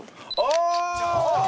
ああ！